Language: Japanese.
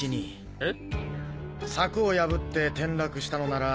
えっ？